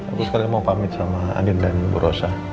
aku sekalian mau pamit sama andien dan bu rosa